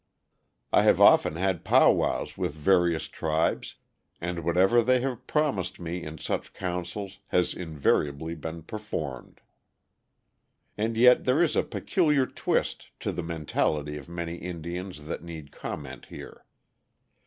I have often had pow wows with various tribes and whatever they have promised me in such councils has invariably been performed. And yet there is a peculiar twist to the mentality of many Indians that needs comment here.